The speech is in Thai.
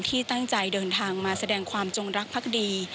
ที่ตั้งใจเดินทางมาแสดงความจงรักภักดี